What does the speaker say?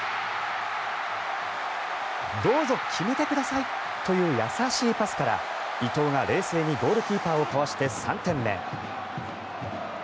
どうぞ決めてくださいという優しいパスから伊東が冷静にゴールキーパーをかわして３点目。